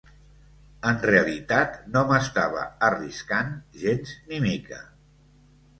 En realitat, no m'estava arriscant gens ni mica.